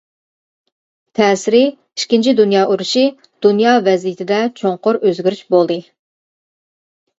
تەسىرى ئىككىنچى دۇنيا ئۇرۇشى دۇنيا ۋەزىيىتىدە چوڭقۇر ئۆزگىرىش بولدى.